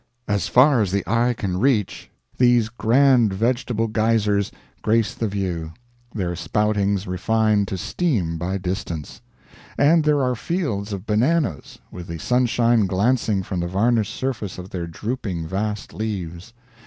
As far as the eye can reach, these grand vegetable geysers grace the view, their spoutings refined to steam by distance. And there are fields of bananas, with the sunshine glancing from the varnished surface of their drooping vast leaves.